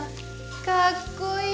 かっこいい！